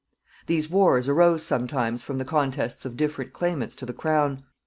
These wars arose sometimes from the contests of different claimants to the crown.